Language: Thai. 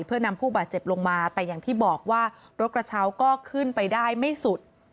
เพื่อนำผู้บาดเจ็บลงมาแต่อย่างที่บอกว่ารถกระเช้าก็ขึ้นไปได้ไม่สุด